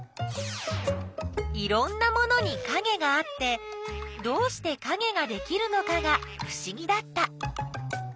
いろんなものにかげがあってどうしてかげができるのかがふしぎだった。